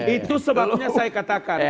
itu sebabnya saya katakan